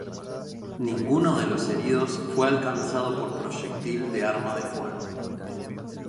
Ninguno de los heridos fue alcanzado por proyectil de arma de fuego.